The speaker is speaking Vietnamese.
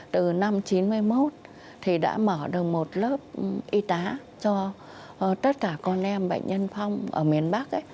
từ năm chín mươi một thì đã mở được một lớp y tá cho tất cả con em bệnh nhân phong ở miền bắc